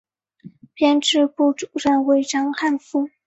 编辑部主任为章汉夫。